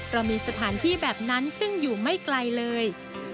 เรามีสถานที่แบบนั้นซึ่งอยู่ไม่ไกลเลย